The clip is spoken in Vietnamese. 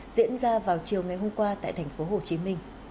diễn ra vào chiều ngày hôm qua tại tp hcm